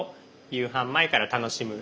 夕飯前から楽しむ。